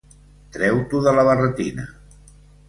Treu-t'ho de la barretina.